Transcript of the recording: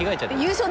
優勝